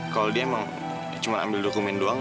kalau dia emang cuma ambil dokumen doang